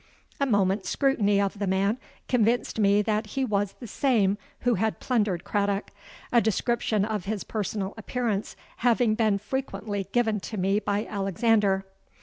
A moment's scrutiny of the man convinced me that he was the same who had plundered Craddock, a description of his personal appearance having been frequently given to me by Alexander.